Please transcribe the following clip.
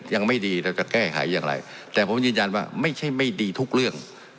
ยังไม่ดีเราจะแก้ไขอย่างไรแต่ผมยืนยันว่าไม่ใช่ไม่ดีทุกเรื่อง